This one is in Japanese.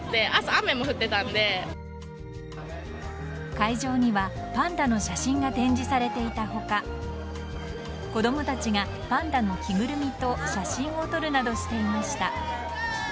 会場にはパンダの写真が展示されていた他子供たちがパンダの着ぐるみと写真を撮るなどしていました。